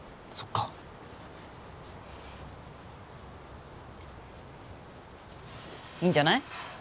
そっかいいんじゃない？